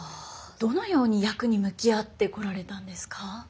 どのように役に向き合ってこられたんですか？